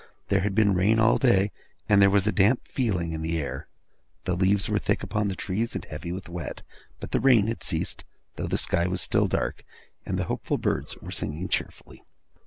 There had been rain all day, and there was a damp feeling in the air. The leaves were thick upon the trees, and heavy with wet; but the rain had ceased, though the sky was still dark; and the hopeful birds were singing cheerfully.